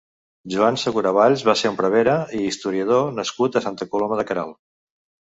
Joan Segura Valls va ser un prevere i historiador nascut a Santa Coloma de Queralt.